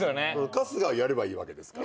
春日をやればいいわけですから。